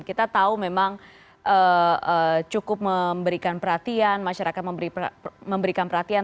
kita tahu memang cukup memberikan perhatian masyarakat memberikan perhatian